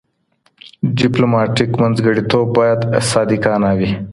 ډیپلوماټیک منځګړیتوب باید صادقانه وي.